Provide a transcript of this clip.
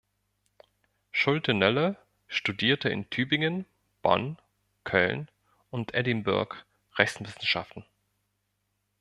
Schulte-Noelle studierte in Tübingen, Bonn, Köln und Edinburgh Rechtswissenschaft.